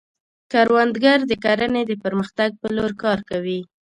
کروندګر د کرنې د پرمختګ په لور کار کوي